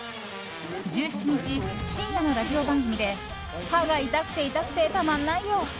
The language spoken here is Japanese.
１日、深夜のラジオ番組で歯が痛くて痛くてたまんないよ。